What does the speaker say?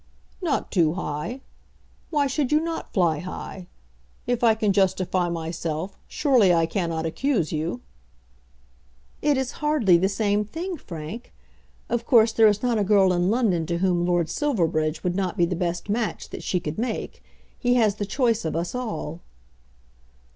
"Not too high. Why should you not fly high? If I can justify myself, surely I cannot accuse you." "It is hardly the same thing, Frank. Of course, there is not a girl in London to whom Lord Silverbridge would not be the best match that she could make. He has the choice of us all."